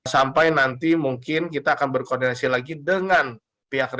sampai nanti mungkin kita akan berkoordinasi lagi dengan pihak terkait